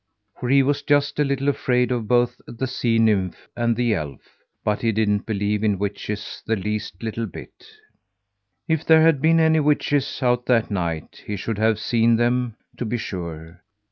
For he was just a little afraid of both the sea nymph and the elf, but he didn't believe in witches the least little bit. If there had been any witches out that night, he should have seen them, to be sure.